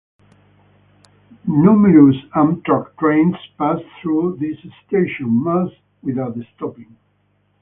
Numerous Amtrak trains pass through this station, most without stopping.